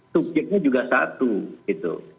subjeknya juga satu